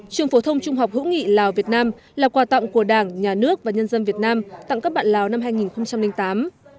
trường phổ thông trung học hữu nghị lào việt nam là quà tặng của đảng nhà nước và nhân dân việt nam tặng các bạn lào năm hai nghìn tám